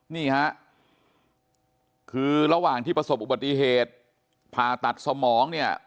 นี่ฮะคือระหว่างที่ประสบอุบัติเหตุผ่าตัดสมองเนี่ย